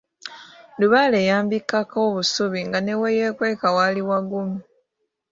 Lubaale yambikkako obusubi, nga ne we yeekweka waali wagumu.